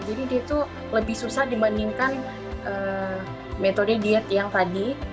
jadi dia itu lebih susah dibandingkan metode diet yang tadi